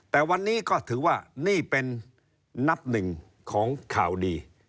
แต่วันนี้ก็ถือว่านี่เป็นนับหนึ่งของข่าวดี